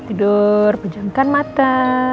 tidur pejamkan mata